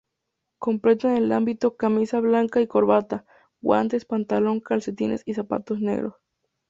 Completan el hábito: camisa blanca y corbata, guantes, pantalón, calcetines y zapatos negros.